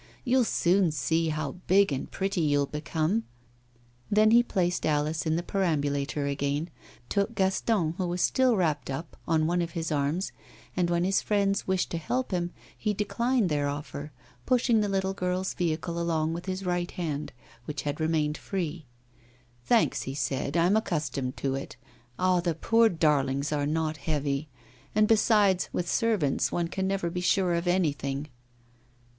'You'll soon see how big and pretty you'll become.' He then placed Alice in the perambulator again, took Gaston, who was still wrapped up, on one of his arms; and when his friends wished to help him, he declined their offer, pushing the little girl's vehicle along with his right hand, which had remained free. 'Thanks,' he said, 'I'm accustomed to it. Ah! the poor darlings are not heavy; and besides, with servants one can never be sure of anything.